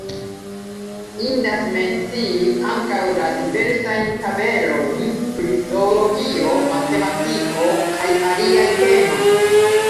Indas mencii ankaŭ la diversajn tabelojn pri zoologio, matematiko kaj aliaj temoj.